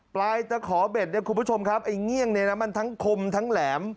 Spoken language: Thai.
ปลายตะขอเบ็ดเนี่ยคุณผู้ชมครับไอ้เงี่ยงเนี่ยนะมันทั้งคมทั้งแหลม